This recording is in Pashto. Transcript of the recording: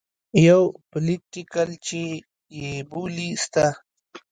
يو پوليټيکل چې يې بولي سته.